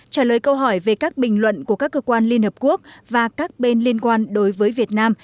trả lời câu hỏi về các bình luận của các cơ quan liên hợp quốc và các bên liên quan đối với việt nam